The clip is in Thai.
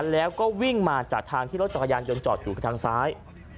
แล้วก็วิ่งมาจากทางที่รถจักรยานยนต์จอดอยู่ทางซ้าย